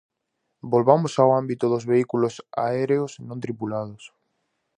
Volvamos ao ámbito dos vehículos aéreos non tripulados.